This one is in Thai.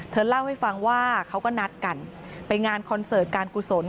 เล่าให้ฟังว่าเขาก็นัดกันไปงานคอนเสิร์ตการกุศล